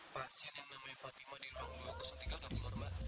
pasien yang namanya fatimah di ruang dua ratus tiga udah keluar mbak